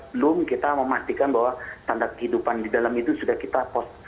belum kita memastikan bahwa tanda kehidupan di dalam itu sudah kita pos